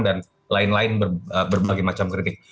dan lain lain berbagai macam kritik